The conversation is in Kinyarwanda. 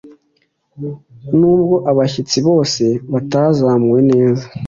nubwo abashyitsi bose batazamuwe neza